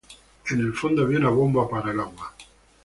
En el fondo había una bomba para el agua.